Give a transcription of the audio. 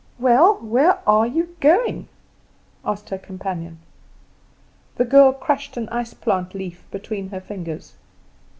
"Well, where are you going?" asked her companion. The girl crushed an ice plant leaf between her fingers.